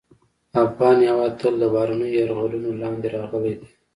افغان هېواد تل د بهرنیو یرغلونو لاندې راغلی دی